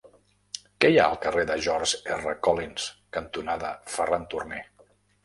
Què hi ha al carrer George R. Collins cantonada Ferran Turné?